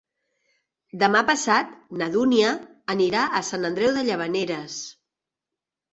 Demà passat na Dúnia anirà a Sant Andreu de Llavaneres.